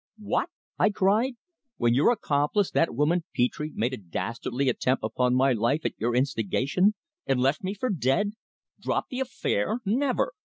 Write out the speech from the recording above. "What?" I cried. "When your accomplice that woman Petre made a dastardly attempt upon my life at your instigation, and left me for dead. Drop the affair never!